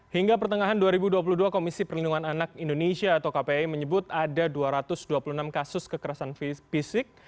hingga pertengahan dua ribu dua puluh dua komisi perlindungan anak indonesia atau kpi menyebut ada dua ratus dua puluh enam kasus kekerasan fisik